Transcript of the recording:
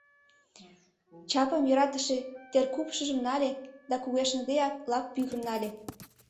Чапым йӧратыше теркупшыжым нале да кугешныдеак лап пӱгырнале.